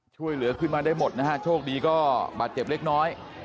ช่วยเหลือขึ้นมาได้หมดนะฮะโชคดีก็บาดเจ็บเล็กน้อย